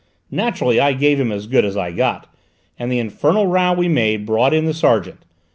Naturally, I gave him as good as I got, and the infernal row we made brought in the sergeant.